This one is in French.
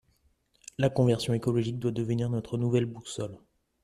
La conversion écologique doit devenir notre nouvelle boussole.